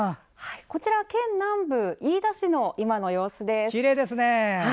こちらは県南部、飯田市の今の様子です。